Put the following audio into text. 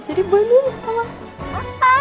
jadi boy dulu sama mama